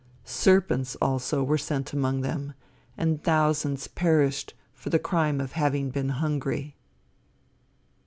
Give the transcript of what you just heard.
Serpents, also, were sent among them, and thousands perished for the crime of having been hungry.